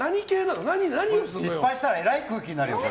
失敗したらえらい空気になるよ。